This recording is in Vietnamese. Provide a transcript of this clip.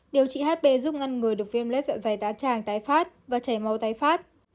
ba điều trị hp giúp ngăn người được viêm lết dọa dày tá tràng tái phát và chảy máu tái phát